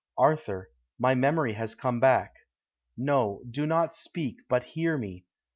'Arthur, my memory has come back. No, do not speak, but hear me.